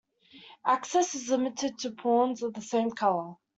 Access is limited to pawns of the same color.